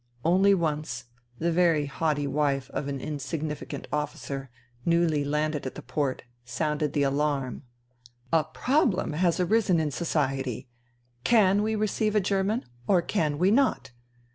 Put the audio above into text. Only once, the very haughty wife of an insignificant officer, newly landed at the port, sounded the alarm :*' A Problem has arisen in Society ! Can we receive a German, or can we not